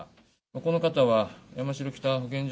この方は山城北保健所